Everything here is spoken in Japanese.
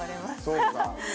そうか。